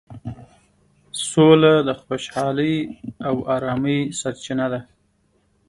سوله د خوشحالۍ او ارامۍ سرچینه ده.